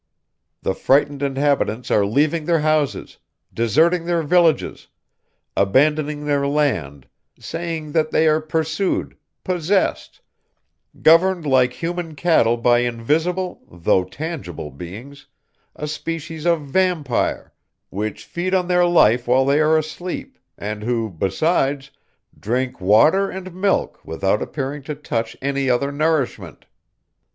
The frightened inhabitants are leaving their houses, deserting their villages, abandoning their land, saying that they are pursued, possessed, governed like human cattle by invisible, though tangible beings, a species of vampire, which feed on their life while they are asleep, and who, besides, drink water and milk without appearing to touch any other nourishment.